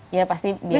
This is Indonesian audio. ya pasti biaya